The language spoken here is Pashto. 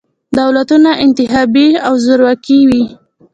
دولتونه انتخابي او زورواکي وي.